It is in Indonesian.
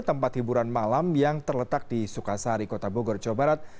tidak ada yang mau berpikir